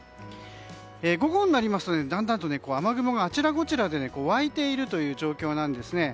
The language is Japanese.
午後になりますと、だんだんと雨雲があちらこちらで湧いているという状況なんですね。